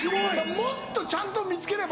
もっとちゃんと見つければ。